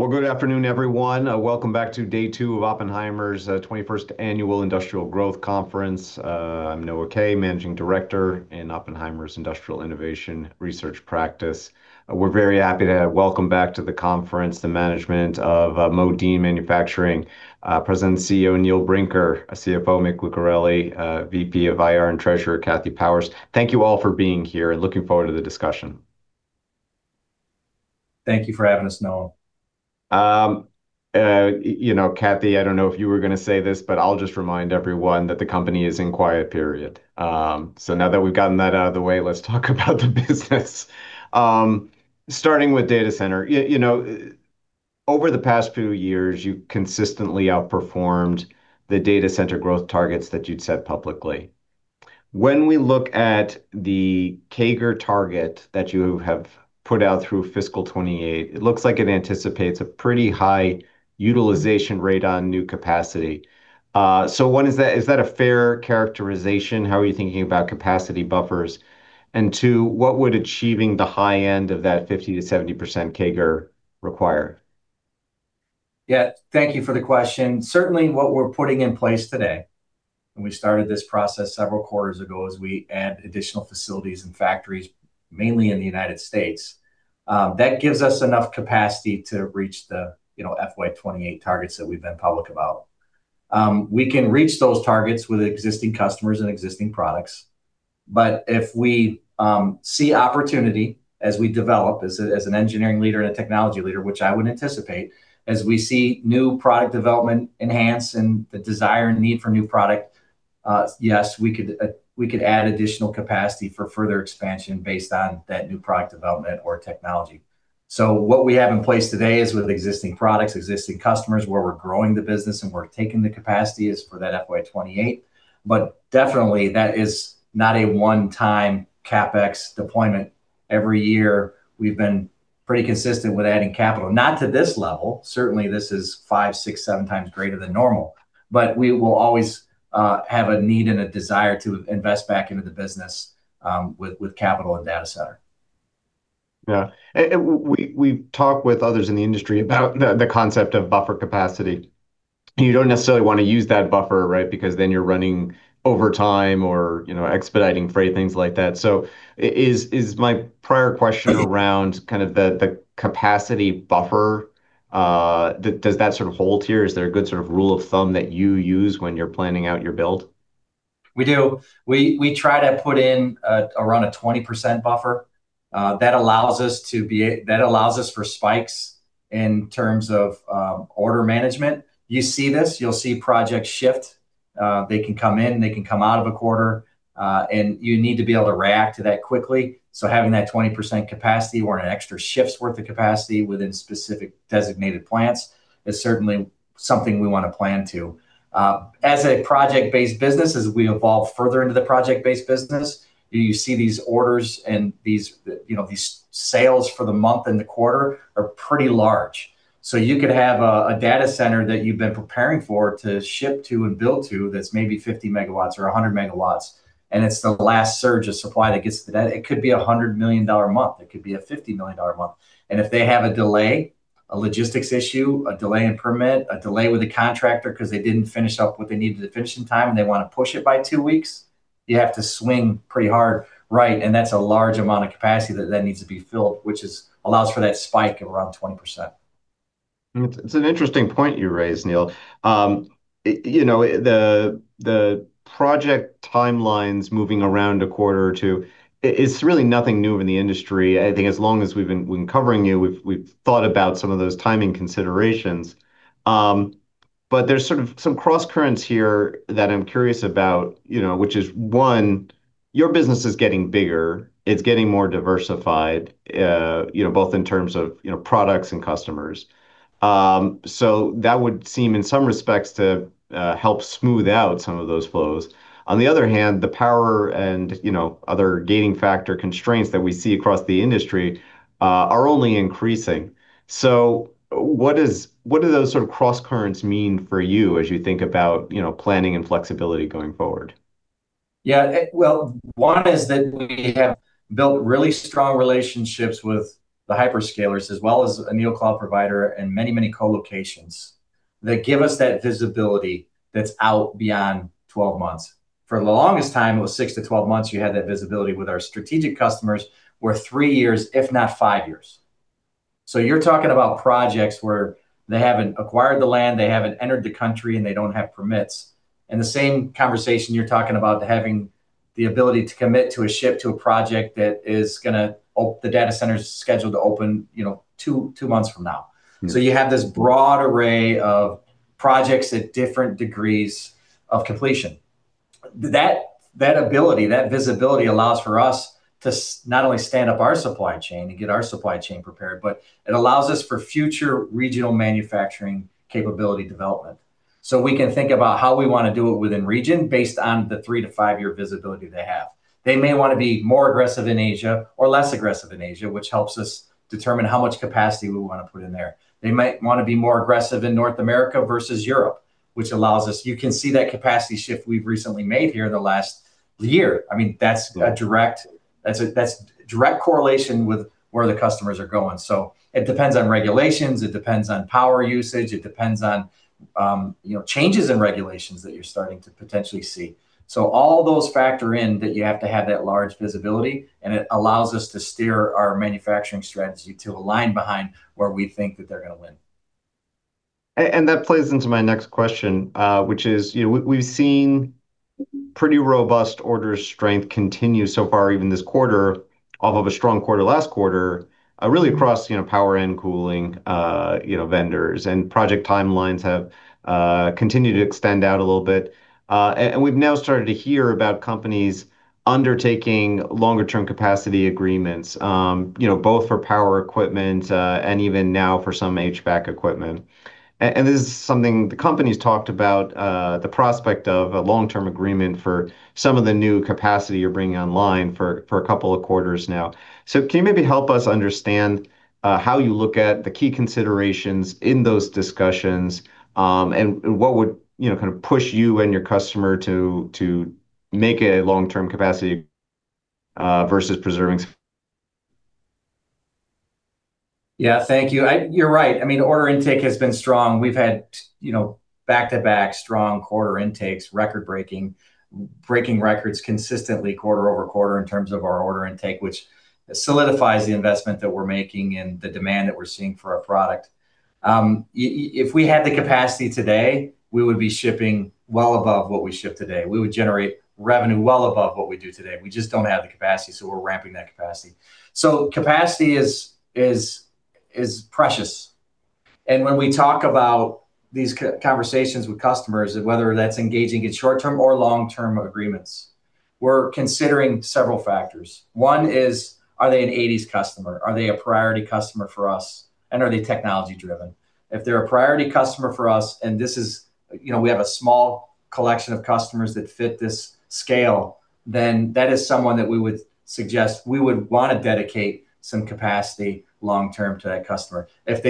Good afternoon, everyone. Welcome back to day two of Oppenheimer's 21st Annual Industrial Growth Conference. I'm Noah Kaye, Managing Director in Oppenheimer Industrial Innovation Research Practice. We're very happy to welcome back to the conference the management of Modine Manufacturing, President and CEO, Neil Brinker, CFO, Mick Lucareli, VP of IR and Treasurer, Kathy Powers. Thank you all for being here, and looking forward to the discussion. Thank you for having us, Noah. You know, Kathy, I don't know if you were gonna say this, but I'll just remind everyone that the company is in quiet period. Now that we've gotten that out of the way, let's talk about the business. Starting with data center. You know, over the past few years, you consistently outperformed the data center growth targets that you'd set publicly. When we look at the CAGR target that you have put out through fiscal 2028, it looks like it anticipates a pretty high utilization rate on new capacity. One, is that a fair characterization? How are you thinking about capacity buffers? Two, what would achieving the high end of that 50%-70% CAGR require? Thank you for the question. Certainly what we're putting in place today, and we started this process several quarters ago as we add additional facilities and factories, mainly in the United States, that gives us enough capacity to reach the, you know, FY28 targets that we've been public about. We can reach those targets with existing customers and existing products, but if we see opportunity as we develop as an engineering leader and a technology leader, which I would anticipate, as we see new product development enhance and the desire and need for new product, yes, we could add additional capacity for further expansion based on that new product development or technology. What we have in place today is with existing products, existing customers, where we're growing the business and we're taking the capacity, is for that FY28. Definitely that is not a one-time CapEx deployment. Every year we've been pretty consistent with adding capital. Not to this level. Certainly this is five, six, seven times greater than normal. We will always have a need and a desire to invest back into the business with capital and data center. Yeah. We've talked with others in the industry about the concept of buffer capacity. You don't necessarily want to use that buffer, right? Because then you're running over time or, you know, expediting freight, things like that. Is my prior question around kind of the capacity buffer, does that sort of hold here? Is there a good sort of rule of thumb that you use when you're planning out your build? We do. We try to put in around a 20% buffer. That allows us for spikes in terms of order management. You see this. You'll see projects shift. They can come in, they can come out of a quarter, you need to be able to react to that quickly. Having that 20% capacity or an extra shift's worth of capacity within specific designated plants is certainly something we want to plan to. As a project-based business, as we evolve further into the project-based business, you see these orders and these, you know, these sales for the month and the quarter are pretty large. You could have a data center that you've been preparing for to ship to and build to that's maybe 50 MW or 100 MW, and it's the last surge of supply that gets to that. It could be a $100 million month. It could be a $50 million month. If they have a delay, a logistics issue, a delay in permit, a delay with the contractor 'cause they didn't finish up what they needed to finish in time and they want to push it by two weeks, you have to swing pretty hard, right? That's a large amount of capacity that then needs to be filled, which allows for that spike of around 20%. It's an interesting point you raise, Neil. You know, the project timelines moving around a quarter or two, it's really nothing new in the industry. I think as long as we've been covering you, we've thought about some of those timing considerations. There's sort of some crosscurrents here that I'm curious about, you know, which is, one, your business is getting bigger. It's getting more diversified, you know, both in terms of, you know, products and customers. That would seem, in some respects, to help smooth out some of those flows. On the other hand, the power and, you know, other gating factor constraints that we see across the industry, are only increasing. What do those sort of crosscurrents mean for you as you think about, you know, planning and flexibility going forward? Yeah. Well, one is that we have built really strong relationships with the hyperscalers as well as a new cloud provider and many, many co-locations that give us that visibility that's out beyond 12 months. For the longest time, it was six to 12 months you had that visibility with our strategic customers, or three years, if not five years. You're talking about projects where they haven't acquired the land, they haven't entered the country, and they don't have permits. In the same conversation, you're talking about having the ability to commit to a ship, to a project that is gonna the data center's scheduled to open, you know, two months from now. You have this broad array of projects at different degrees of completion. That ability, that visibility allows for us to not only stand up our supply chain and get our supply chain prepared, but it allows us for future regional manufacturing capability development. We can think about how we want to do it within region based on the three to five-year visibility they have. They may want to be more aggressive in Asia or less aggressive in Asia, which helps us determine how much capacity we want to put in there. They might want to be more aggressive in North America versus Europe, which allows us. You can see that capacity shift we've recently made here in the last year. I mean, that's a direct correlation with where the customers are going. It depends on regulations, it depends on power usage, it depends on, you know, changes in regulations that you're starting to potentially see. All those factor in that you have to have that large visibility, and it allows us to steer our manufacturing strategy to align behind where we think that they're gonna win. That plays into my next question, which is, you know, we've seen pretty robust order strength continue so far even this quarter off of a strong quarter last quarter, really across, you know, power and cooling, you know, vendors. Project timelines have continued to extend out a little bit. we've now started to hear about companies undertaking longer term capacity agreements, you know, both for power equipment, and even now for some HVAC equipment. This is something the company's talked about, the prospect of a long-term agreement for some of the new capacity you're bringing online for a couple of quarters now. Can you maybe help us understand, how you look at the key considerations in those discussions, and what would, you know, kind of push you and your customer to make a long-term capacity, versus preserving? Thank you. You're right. I mean, order intake has been strong. We've had, you know, back-to-back strong quarter intakes, record-breaking, breaking records consistently quarter over quarter in terms of our order intake, which solidifies the investment that we're making and the demand that we're seeing for our product. If we had the capacity today, we would be shipping well above what we ship today. We would generate revenue well above what we do today. We just don't have the capacity. We're ramping that capacity. Capacity is precious. When we talk about these conversations with customers of whether that's engaging in short-term or long-term agreements, we're considering several factors. One is, are they an 80/20 customer? Are they a priority customer for us? Are they technology-driven? If they're a priority customer for us and this is, you know, we have a small collection of customers that fit this scale, then that is someone that we would suggest we would want to dedicate some capacity long term to that customer. If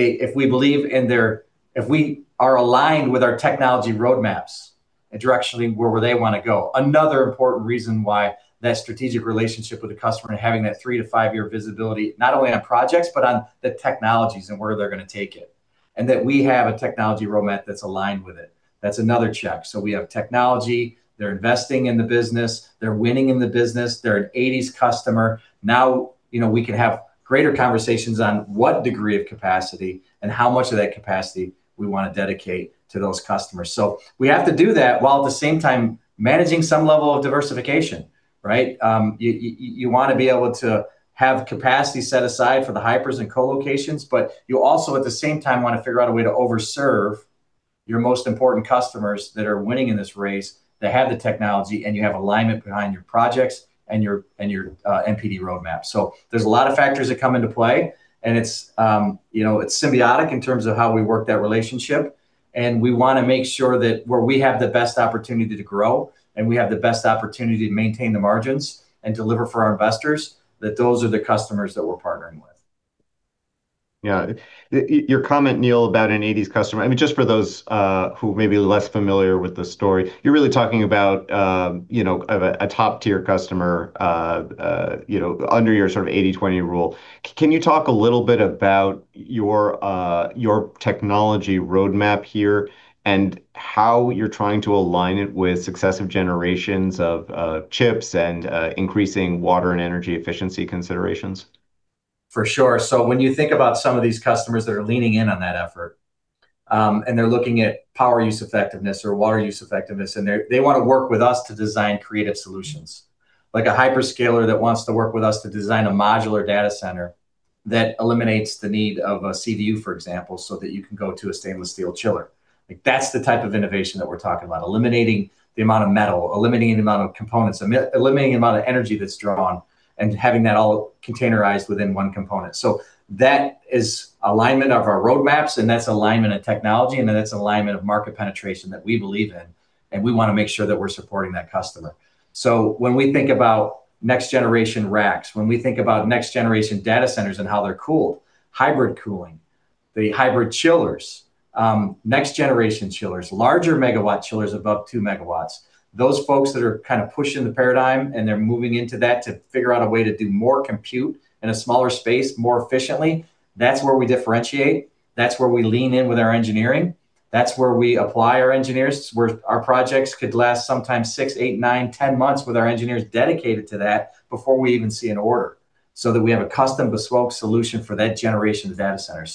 we are aligned with our technology roadmaps directionally where they want to go, another important reason why that strategic relationship with a customer and having that three to five-year visibility, not only on projects but on the technologies and where they're gonna take it, and that we have a technology roadmap that's aligned with it. That's another check. We have technology, they're investing in the business, they're winning in the business, they're an 80/20 customer. you know, we can have greater conversations on what degree of capacity and how much of that capacity we want to dedicate to those customers. We have to do that while at the same time managing some level of diversification, right? you want to be able to have capacity set aside for the hypers and co-locations, but you also at the same time want to figure out a way to over-serve your most important customers that are winning in this race, that have the technology, and you have alignment behind your projects and your and your NPD roadmap. There's a lot of factors that come into play, and it's, you know, it's symbiotic in terms of how we work that relationship, and we want to make sure that where we have the best opportunity to grow and we have the best opportunity to maintain the margins and deliver for our investors, that those are the customers that we're partnering with. Yeah. Your comment, Neil, about an 80/20 customer, I mean, just for those who may be less familiar with the story, you're really talking about, you know, a top-tier customer, you know, under your sort of 80/20 rule. Can you talk a little bit about your technology roadmap here and how you're trying to align it with successive generations of chips and increasing water and energy efficiency considerations? For sure. When you think about some of these customers that are leaning in on that effort, and they're looking at power usage effectiveness or water usage effectiveness, and they want to work with us to design creative solutions. Like a hyperscaler that wants to work with us to design a modular data center that eliminates the need of a CDU, for example, so that you can go to a stainless steel chiller. Like, that's the type of innovation that we're talking about, eliminating the amount of metal, eliminating the amount of components, eliminating the amount of energy that's drawn, and having that all containerized within one component. That is alignment of our roadmaps, and that's alignment of technology, and then that's alignment of market penetration that we believe in, and we want to make sure that we're supporting that customer. When we think about next generation racks, when we think about next generation data centers and how they're cooled, hybrid cooling, the hybrid chillers, next generation chillers, larger megawatt chillers above 2 MW, those folks that are kind of pushing the paradigm and they're moving into that to figure out a way to do more compute in a smaller space more efficiently, that's where we differentiate. That's where we lean in with our engineering. That's where we apply our engineers, where our projects could last sometimes six, eight, nine, 10 months with our engineers dedicated to that before we even see an order, so that we have a custom bespoke solution for that generation of data center.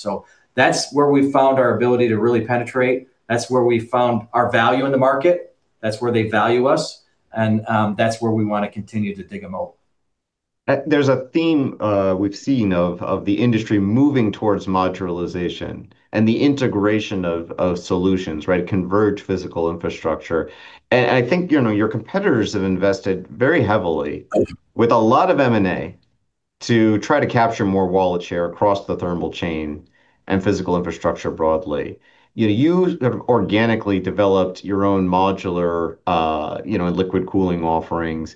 That's where we found our ability to really penetrate. That's where we found our value in the market. That's where they value us, and that's where we want to continue to dig a moat. There's a theme we've seen of the industry moving towards modularization and the integration of solutions, right? Converging physical infrastructure. I think, you know, your competitors have invested very heavily with a lot of M&A to try to capture more wallet share across the thermal chain and physical infrastructure broadly. You know, you have organically developed your own modular, you know, liquid cooling offerings.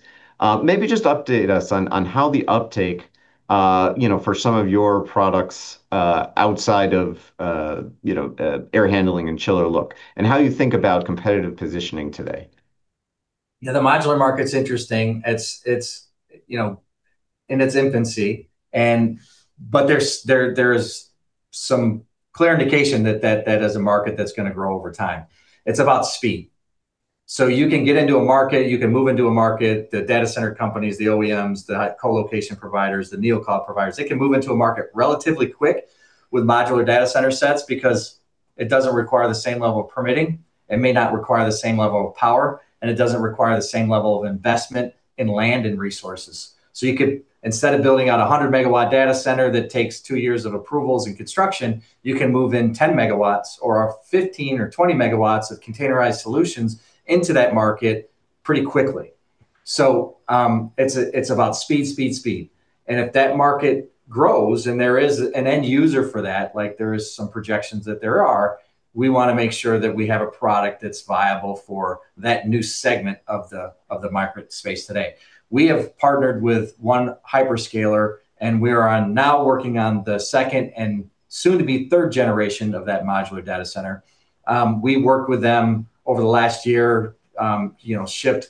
Maybe just update us on how the uptake, you know, for some of your products outside of, you know, air handling and chiller loop, and how you think about competitive positioning today. Yeah, the modular market's interesting. It's you know, in its infancy, but there's some clear indication that that is a market that's gonna grow over time. It's about speed. You can get into a market, you can move into a market, the data center companies, the OEMs, the co-location providers, the neo cloud providers, they can move into a market relatively quick with modular data center sets because it doesn't require the same level of permitting. It may not require the same level of power, and it doesn't require the same level of investment in land and resources. You could, instead of building out a 100 MW data center that takes two years of approvals and construction, move in 10 MW or 15 or 20 MW of containerized solutions into that market pretty quickly. It's about speed. If that market grows, and there is an end user for that, like there is some projections that there are, we want to make sure that we have a product that's viable for that new segment of the micro space today. We have partnered with one hyperscaler, and we are now working on the second and soon to be third generation of that modular data center. We worked with them over the last year, you know, shipped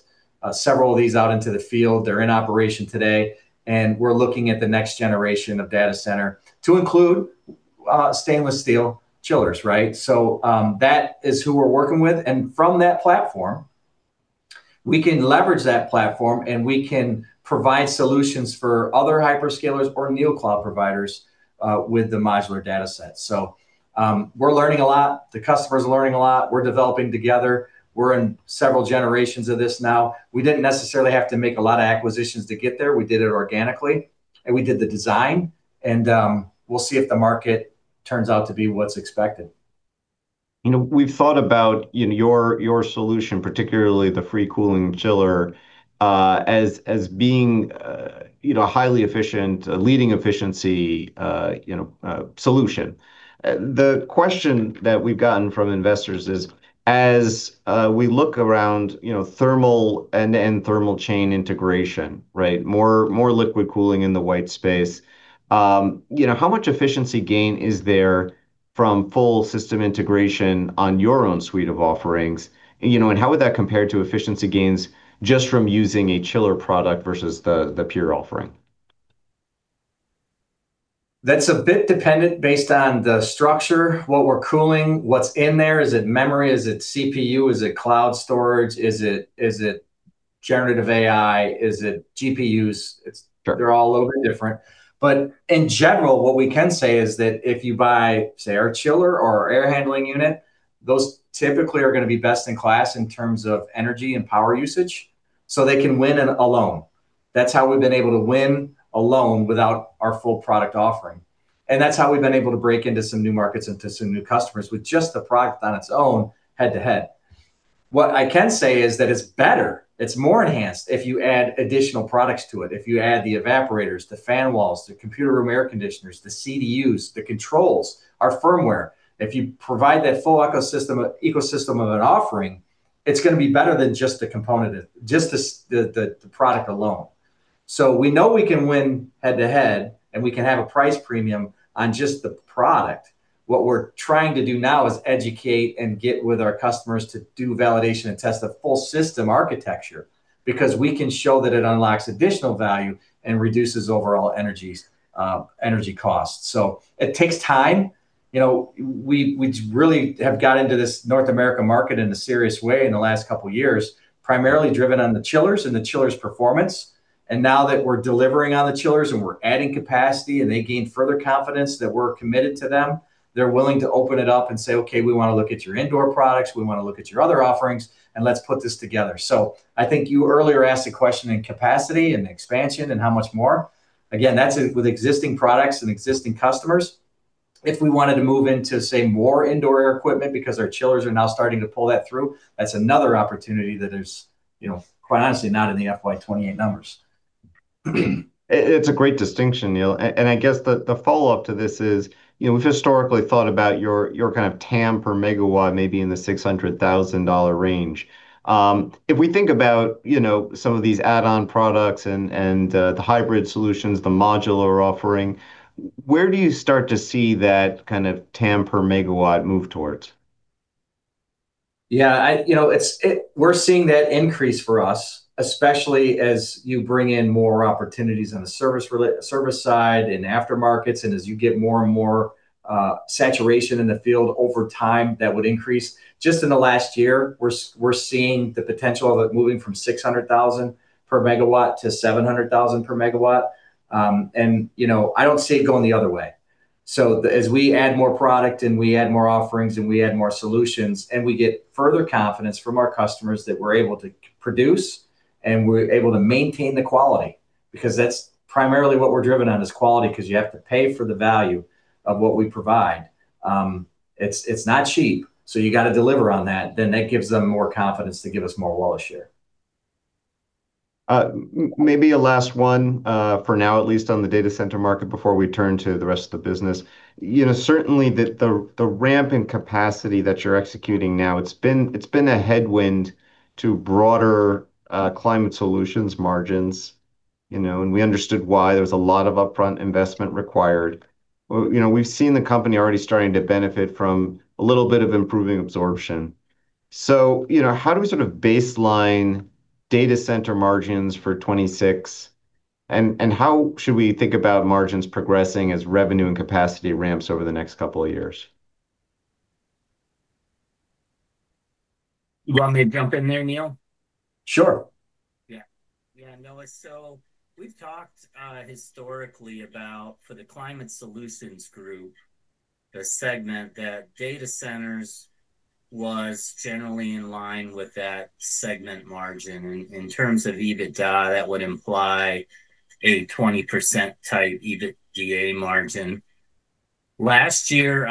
several of these out into the field. They're in operation today, and we're looking at the next generation of data center to include stainless steel chillers, right? That is who we're working with, and from that platform, we can leverage that platform, and we can provide solutions for other hyperscalers or neo cloud providers with the modular data center. We're learning a lot. The customer's learning a lot. We're developing together. We're in several generations of this now. We didn't necessarily have to make a lot of acquisitions to get there. We did it organically, and we did the design, and we'll see if the market turns out to be what's expected. You know, we've thought about, you know, your solution, particularly the free cooling chiller, as being, you know, a highly efficient, a leading efficiency, you know, solution. The question that we've gotten from investors is, as we look around, you know, thermal end-to-end thermal chain integration, right? More liquid cooling in the white space, you know, how much efficiency gain is there from full system integration on your own suite of offerings? You know, how would that compare to efficiency gains just from using a chiller product versus the pure offering? That's a bit dependent based on the structure, what we're cooling, what's in there. Is it memory? Is it CPU? Is it cloud storage? Is it generative AI? Is it GPUs? It's Sure They're all a little bit different. In general, what we can say is that if you buy, say, our chiller or our air handling unit, those typically are gonna be best in class in terms of energy and power usage, so they can win alone. That's how we've been able to win alone without our full product offering, and that's how we've been able to break into some new markets and to some new customers with just the product on its own head to head. What I can say is that it's better, it's more enhanced if you add additional products to it, if you add the evaporators, the fan walls, the computer room air conditioners, the CDUs, the controls, our firmware. If you provide that full ecosystem of an offering, it's gonna be better than just the component, just the product alone. We know we can win head to head, and we can have a price premium on just the product. What we're trying to do now is educate and get with our customers to do validation and test the full system architecture because we can show that it unlocks additional value and reduces overall energies, energy costs. It takes time. You know, we really have got into this North America market in a serious way in the last couple years, primarily driven on the chillers and the chillers' performance. Now that we're delivering on the chillers, and we're adding capacity, and they gain further confidence that we're committed to them, they're willing to open it up and say, "Okay, we want to look at your indoor products. We want to look at your other offerings, and let's put this together." I think you earlier asked a question in capacity and expansion and how much more. Again, that's with existing products and existing customers. If we wanted to move into, say, more indoor air equipment because our chillers are now starting to pull that through, that's another opportunity that is, you know, quite honestly not in the FY 2028 numbers. It's a great distinction, Neil. I guess the follow-up to this is, you know, we've historically thought about your kind of TAM per megawatt maybe in the $600,000 range. If we think about, you know, some of these add-on products and the hybrid solutions, the modular offering, where do you start to see that kind of TAM per megawatt move towards? Yeah, you know, it's, we're seeing that increase for us, especially as you bring in more opportunities on the service side and aftermarkets, and as you get more and more saturation in the field over time, that would increase. Just in the last year, we're seeing the potential of it moving from $600,000 per megawatt to $700,000 per megawatt. You know, I don't see it going the other way. As we add more product, and we add more offerings, and we add more solutions, and we get further confidence from our customers that we're able to produce, and we're able to maintain the quality because that's primarily what we're driven on is quality because you have to pay for the value of what we provide. It's not cheap, so you got to deliver on that. That gives them more confidence to give us more wallet share. Maybe a last one, for now, at least on the data center market before we turn to the rest of the business. You know, certainly the ramp in capacity that you're executing now, it's been a headwind to broader Climate Solutions margins. You know, and we understood why there was a lot of upfront investment required. Well, you know, we've seen the company already starting to benefit from a little bit of improving absorption. So, you know, how do we sort of baseline data center margins for 2026, and how should we think about margins progressing as revenue and capacity ramps over the next couple of years? You want me to jump in there, Neil? Sure. Yeah. Yeah, Noah, so we've talked historically about, for the Climate Solutions Group, the segment that data centers was generally in line with that segment margin. In terms of EBITDA, that would imply a 20% type EBITDA margin. Last year,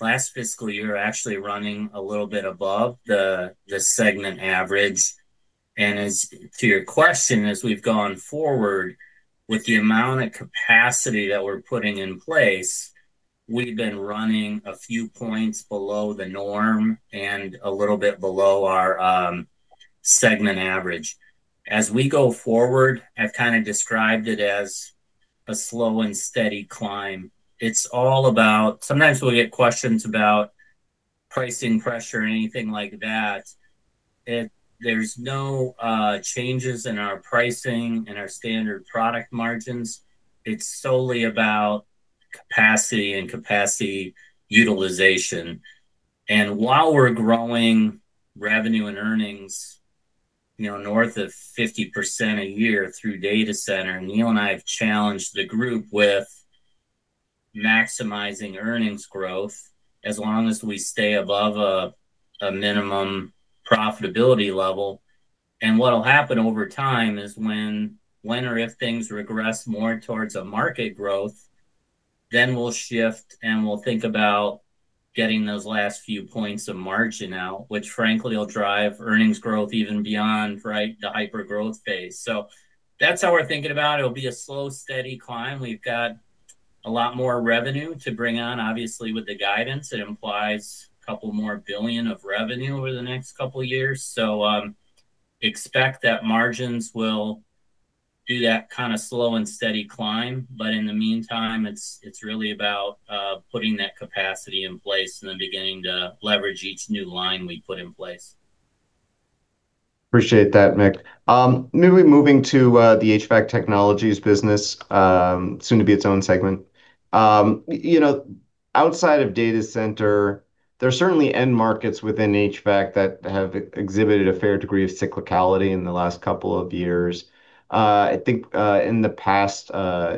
last fiscal year, actually running a little bit above the segment average. As to your question, as we've gone forward, with the amount of capacity that we're putting in place, we've been running a few points below the norm and a little bit below our segment average. As we go forward, I've kind of described it as a slow and steady climb. It's all about. Sometimes we'll get questions about pricing pressure or anything like that. There's no changes in our pricing, in our standard product margins. It's solely about capacity and capacity utilization. While we're growing revenue and earnings, you know, north of 50% a year through data center, Neil and I have challenged the group with maximizing earnings growth as long as we stay above a minimum profitability level. What'll happen over time is when or if things regress more towards a market growth, then we'll shift, and we'll think about getting those last few points of margin out, which frankly will drive earnings growth even beyond, right, the hypergrowth phase. That's how we're thinking about it. It'll be a slow, steady climb. We've got a lot more revenue to bring on, obviously, with the guidance. It implies $2 billion of revenue over the next couple years. Expect that margins will do that kind of slow and steady climb. In the meantime, it's really about putting that capacity in place and then beginning to leverage each new line we put in place. Appreciate that, Mick. Maybe moving to the HVAC Technologies business, soon to be its own segment. You know, outside of data center, there are certainly end markets within HVAC that have exhibited a fair degree of cyclicality in the last couple of years. I think, in the past,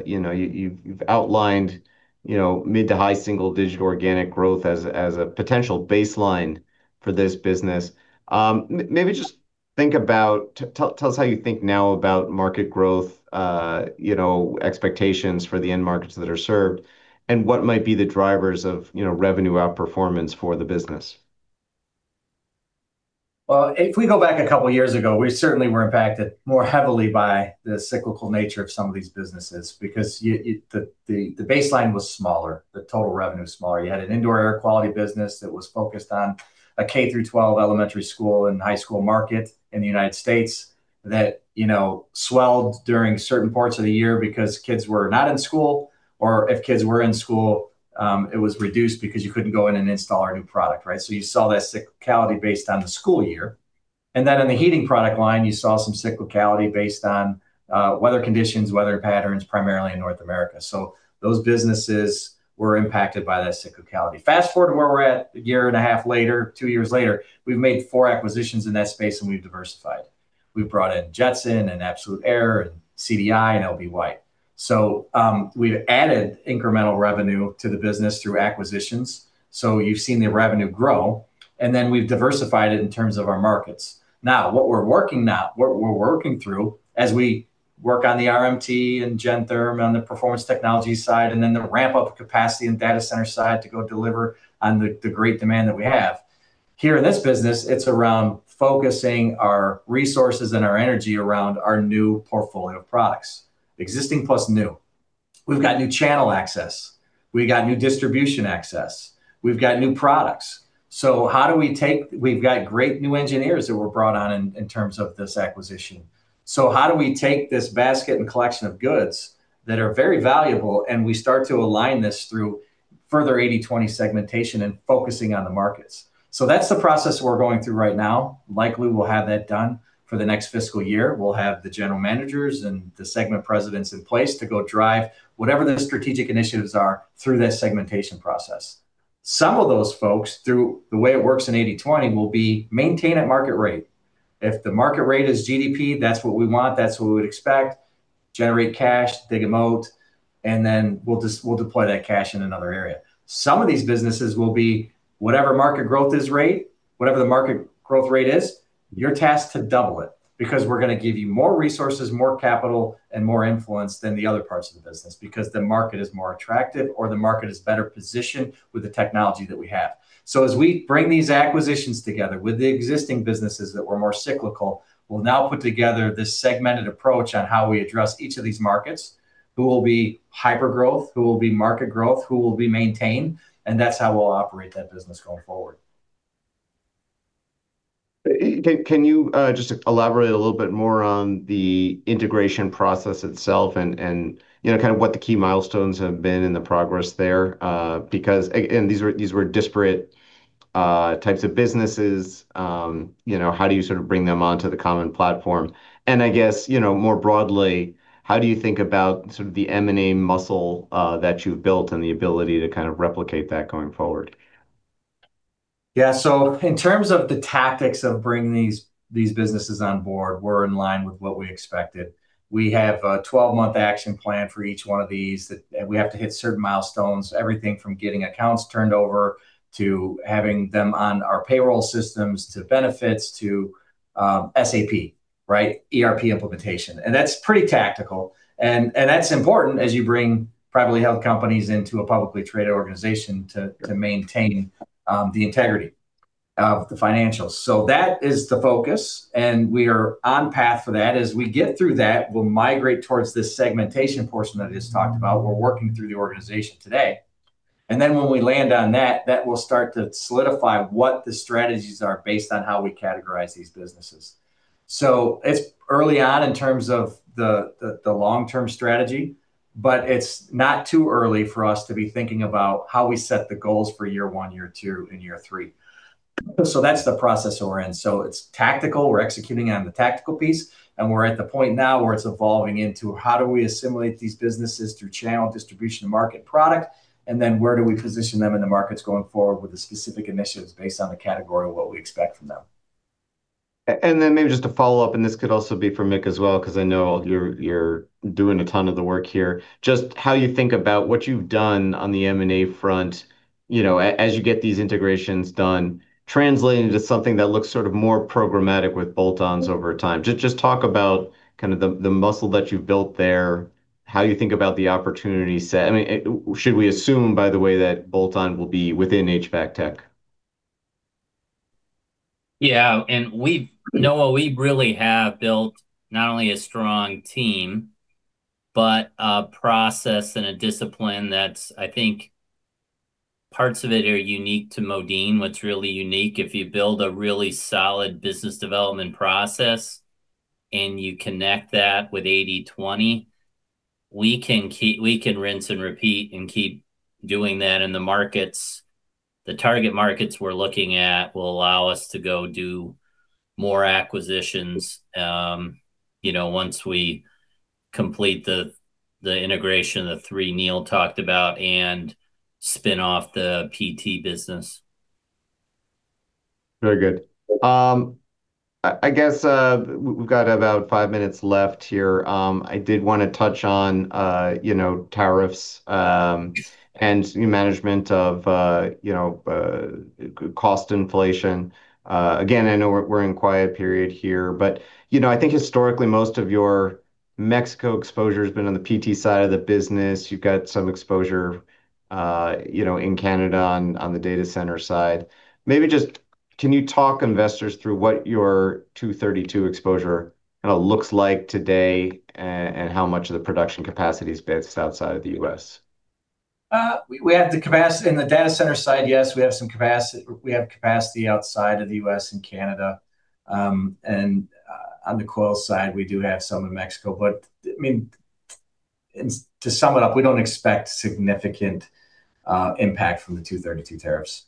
you know, you've outlined, you know, mid to high single-digit organic growth as a potential baseline for this business. Tell us how you think now about market growth, you know, expectations for the end markets that are served, and what might be the drivers of, you know, revenue outperformance for the business. Well, if we go back a couple years ago, we certainly were impacted more heavily by the cyclical nature of some of these businesses because the baseline was smaller, the total revenue was smaller. You had an indoor air quality business that was focused on a K-12 elementary school and high school market in the United States that, you know, swelled during certain parts of the year because kids were not in school, or if kids were in school, it was reduced because you couldn't go in and install our new product, right? You saw that cyclicality based on the school year. Then in the heating product line, you saw some cyclicality based on weather conditions, weather patterns, primarily in North America. Those businesses were impacted by that cyclicality. Fast-forward to where we're at a year and a half later, two years later, we've made four acquisitions in that space, and we've diversified. We've brought in Jetson and AbsolutAire and CDI and L.B. White. We've added incremental revenue to the business through acquisitions, so you've seen the revenue grow, and then we've diversified it in terms of our markets. Now, what we're working through as we work on the RMT and Gentherm on the performance technology side and then the ramp-up capacity and data center side to go deliver on the great demand that we have. Here in this business, it's around focusing our resources and our energy around our new portfolio of products, existing plus new. We've got new channel access. We got new distribution access. We've got new products. We've got great new engineers that were brought on in terms of this acquisition. How do we take this basket and collection of goods that are very valuable, and we start to align this through further 80/20 segmentation and focusing on the markets? That's the process we're going through right now. Likely we'll have that done for the next fiscal year. We'll have the general managers and the segment presidents in place to go drive whatever the strategic initiatives are through that segmentation process. Some of those folks, through the way it works in 80/20, will be maintained at market rate. If the market rate is GDP, that's what we want, that's what we would expect, generate cash, dig a moat, and then we'll deploy that cash in another area. Some of these businesses will be whatever the market growth rate is, you're tasked to double it because we're gonna give you more resources, more capital, and more influence than the other parts of the business because the market is more attractive or the market is better positioned with the technology that we have. As we bring these acquisitions together with the existing businesses that were more cyclical, we'll now put together this segmented approach on how we address each of these markets, who will be hypergrowth, who will be market growth, who will be maintained, and that's how we'll operate that business going forward. Can you just elaborate a little bit more on the integration process itself and, you know, kind of what the key milestones have been in the progress there? Because these were disparate types of businesses. You know, how do you sort of bring them onto the common platform? I guess, you know, more broadly, how do you think about sort of the M&A muscle that you've built and the ability to kind of replicate that going forward? Yeah. In terms of the tactics of bringing these businesses on board, we're in line with what we expected. We have a 12-month action plan for each one of these that we have to hit certain milestones, everything from getting accounts turned over to having them on our payroll systems, to benefits, to SAP, right? ERP implementation, and that's pretty tactical. That's important as you bring privately held companies into a publicly traded organization to maintain the integrity of the financials. That is the focus, and we are on path for that. As we get through that, we'll migrate towards this segmentation portion that I just talked about. We're working through the organization today. Then when we land on that will start to solidify what the strategies are based on how we categorize these businesses. It's early on in terms of the long-term strategy, but it's not too early for us to be thinking about how we set the goals for year one, year two, and year three. That's the process that we're in. It's tactical. We're executing on the tactical piece, and we're at the point now where it's evolving into how do we assimilate these businesses through channel distribution and market product, and then where do we position them in the markets going forward with the specific initiatives based on the category of what we expect from them. Maybe just to follow up, and this could also be for Mick as well, because I know you're doing a ton of the work here. Just how you think about what you've done on the M&A front, you know, as you get these integrations done, translating to something that looks sort of more programmatic with bolt-ons over time. Just talk about kind of the muscle that you've built there, how you think about the opportunity set. I mean, should we assume, by the way, that bolt-on will be within HVAC tech? Noah, we really have built not only a strong team, but a process and a discipline that's, I think, parts of it are unique to Modine. What's really unique, if you build a really solid business development process and you connect that with 80/20, we can rinse and repeat and keep doing that in the markets. The target markets we're looking at will allow us to go do more acquisitions, you know, once we complete the integration of the three Neil talked about and spin off the PT business. Very good. I guess we've got about five minutes left here. I did wanna touch on, you know, tariffs, and management of, you know, cost inflation. Again, I know we're in quiet period here, but, you know, I think historically, most of your Mexico exposure has been on the PT side of the business. You've got some exposure, you know, in Canada on the data center side. Maybe just can you talk investors through what your Section 232 exposure kinda looks like today and how much of the production capacity is based outside of the U.S.? We have the capacity in the data center side, yes, we have some capacity. We have capacity outside of the U.S. and Canada. On the coil side, we do have some in Mexico. I mean, to sum it up, we don't expect significant impact from the Section 232 tariffs.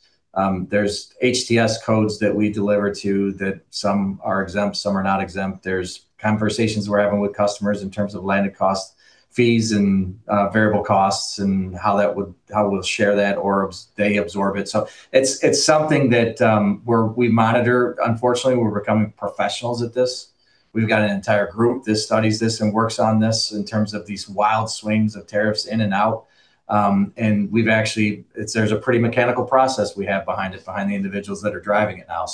There's HTS codes that we deliver to that some are exempt, some are not exempt. There's conversations we're having with customers in terms of landed cost fees and variable costs and how we'll share that or they absorb it. It's something that we monitor. Unfortunately, we're becoming professionals at this. We've got an entire group that studies this and works on this in terms of these wild swings of tariffs in and out. There's a pretty mechanical process we have behind it, behind the individuals that are driving it now.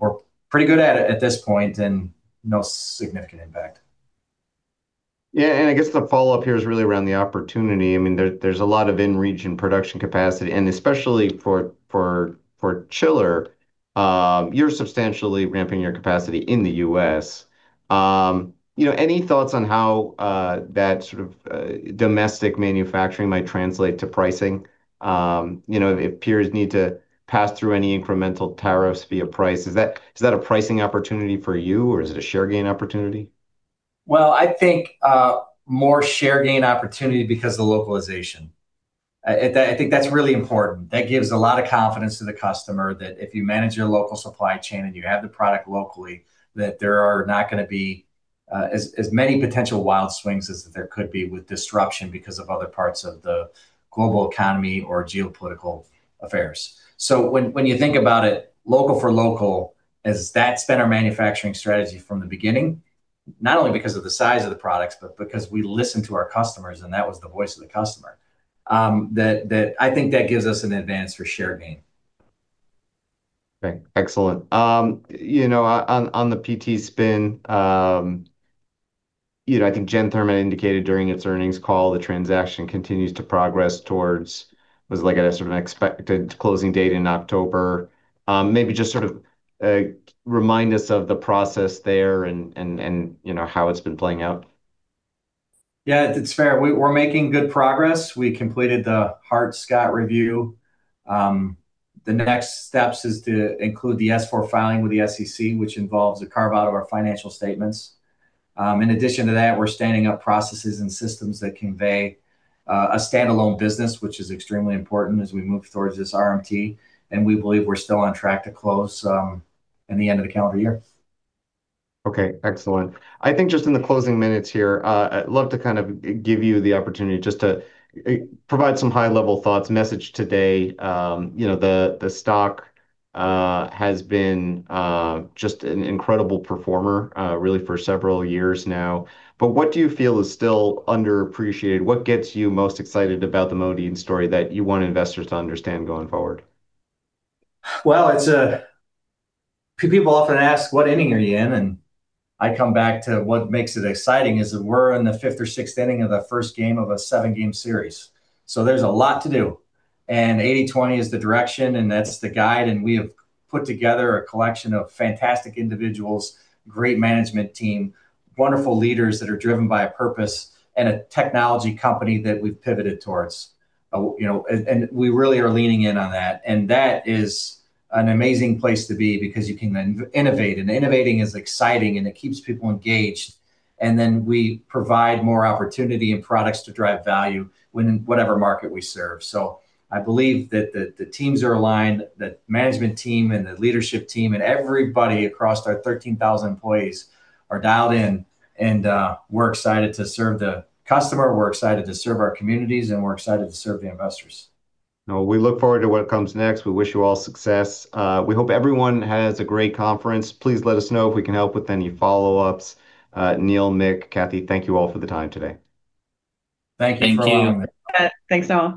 We're pretty good at it at this point and no significant impact. Yeah, I guess the follow-up here is really around the opportunity. I mean, there's a lot of in-region production capacity, and especially for chiller, you're substantially ramping your capacity in the U.S. You know, any thoughts on how that sort of domestic manufacturing might translate to pricing? You know, if peers need to pass through any incremental tariffs via price, is that a pricing opportunity for you, or is it a share gain opportunity? Well, I think more share gain opportunity because of the localization. I think that's really important. That gives a lot of confidence to the customer that if you manage your local supply chain and you have the product locally, that there are not gonna be as many potential wild swings as there could be with disruption because of other parts of the global economy or geopolitical affairs. When you think about it local for local, as that's been our manufacturing strategy from the beginning, not only because of the size of the products, but because we listen to our customers, and that was the voice of the customer, that I think that gives us an advance for share gain. Okay. Excellent. You know, on the PT spin, you know, I think Gentherm indicated during its earnings call the transaction was like at a sort of an expected closing date in October. Maybe just sort of remind us of the process there and, you know, how it's been playing out. Yeah, it's fair. We're making good progress. We completed the Hart-Scott review. The next steps is to include the S-4 filing with the SEC, which involves a carve-out of our financial statements. In addition to that, we're standing up processes and systems that convey a standalone business, which is extremely important as we move towards this RMT, and we believe we're still on track to close in the end of the calendar year. Okay, excellent. I think just in the closing minutes here, I'd love to give you the opportunity just to provide some high-level thoughts, message today. You know, the stock has been just an incredible performer, really for several years now, but what do you feel is still underappreciated? What gets you most excited about the Modine story that you want investors to understand going forward? Well, people often ask, "What inning are you in?" I come back to what makes it exciting is that we're in the fifth or sixth inning of the first game of a seven-game series, so there's a lot to do. 80/20 is the direction, and that's the guide, and we have put together a collection of fantastic individuals, great management team, wonderful leaders that are driven by a purpose, and a technology company that we've pivoted towards. You know, we really are leaning in on that, and that is an amazing place to be because you can then innovate, and innovating is exciting, and it keeps people engaged. Then we provide more opportunity and products to drive value when in whatever market we serve. I believe that the teams are aligned, the management team and the leadership team and everybody across our 13,000 employees are dialed in, and we're excited to serve the customer, we're excited to serve our communities, and we're excited to serve the investors. Well, we look forward to what comes next. We wish you all success. We hope everyone has a great conference. Please let us know if we can help with any follow-ups. Neil, Mick, Kathy, thank you all for the time today. Thank you for having me. Thank you. Yeah. Thanks, Noah.